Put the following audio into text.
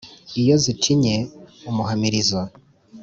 Iyo zicinye umuhamirizo